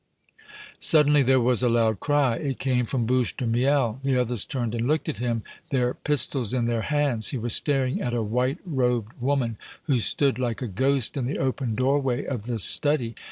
Suddenly there was a loud cry. It came from Bouche de Miel. The others turned and looked at him, their pistols in their hands. He was staring at a white robed woman, who stood like a ghost in the open doorway of the study.